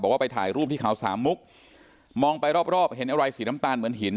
ว่าไปถ่ายรูปที่เขาสามมุกมองไปรอบรอบเห็นอะไรสีน้ำตาลเหมือนหิน